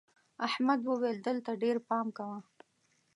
احمد وويل: دلته ډېر پام کوه.